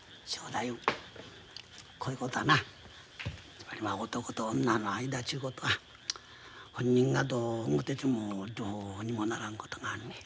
つまりまあ男と女の間ちゅうことは本人がどう思っててもどうにもならんことがあんねや。